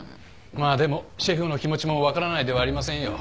まあでもシェフの気持ちも分からないではありませんよ。